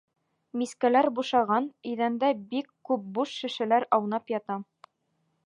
Мискәләр бушаған, иҙәндә бик күп буш шешәләр аунап ята.